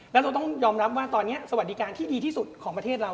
แล้วเราต้องยอมรับว่าตอนนี้สวัสดิการที่ดีที่สุดของประเทศเรา